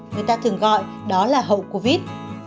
người ta thường gọi đó là hậu covid